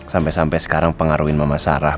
sampai sampai sekarang pengaruhin mama sarah